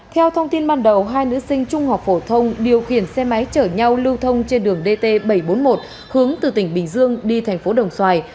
theo thông tin ban đầu hai nữ sinh trung học phổ thông điều khiển xe máy chở nhau lưu thông trên đường dt bảy trăm bốn mươi một hướng từ tỉnh bình dương đi thành phố đồng xoài